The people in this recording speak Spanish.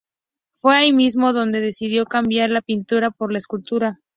Fue allí mismo, donde decidió cambiar la pintura por la escultura.